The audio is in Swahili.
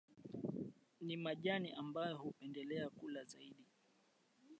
Ni majani ambayo hupendelea kula zaidi